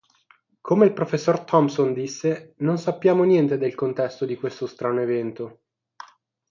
Come il professor Thompson disse: "Non sappiamo niente del contesto di questo strano evento.